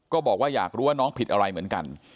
บอกว่าอยากรู้ว่าน้องผิดอะไรเหมือนกัน